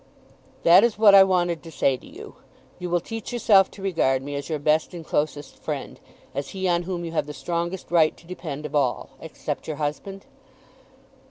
"That is what I wanted to say to you. You will teach yourself to regard me as your best and closest friend, as he on whom you have the strongest right to depend, of all, except your husband."